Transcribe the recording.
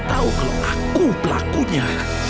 i trainer para cakwa